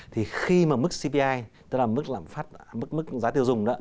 thì khi mà mức cpi tức là mức giá tiêu dùng đó